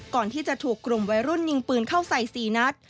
ก่อนที่จะถูกกลุ่มวัยรุ่นยิงปืนเข้าใส่๔นัด